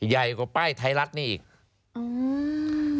ใหญ่กว่าป้ายไทยรัฐนี่อีก